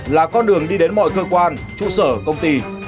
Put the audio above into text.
là con đường đi đến mọi cơ quan trụ sở công ty